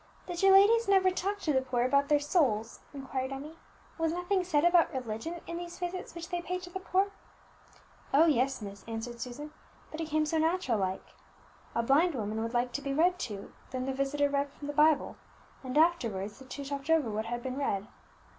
"Did your ladies never talk to the people about their souls?" inquired Emmie. "Was nothing said about religion in these visits which they paid to the poor?" "Oh yes, miss," answered Susan, "but it came so natural like. A blind woman would like to be read to; then the visitor read from the Bible, and afterwards the two talked over what had been read.